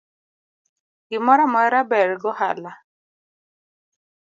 Gimoro amora ber gohala